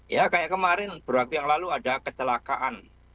ya kayak kemarin beberapa waktu yang lalu ada kecelakaan